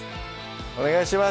お願いします